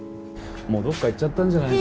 もうどこか行っちゃったんじゃないの？